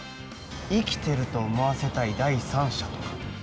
生きていると思わせたい第三者とか？